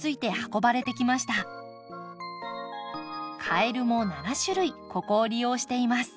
カエルも７種類ここを利用しています。